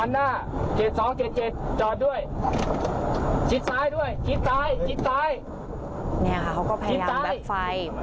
เนี่ยเขาก็พยายามแบ็คไฟ